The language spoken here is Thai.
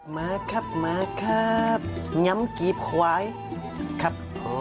มาครับน้ำกีบขวายครับ